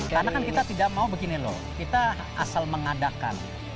karena kan kita tidak mau begini loh kita asal mengadakan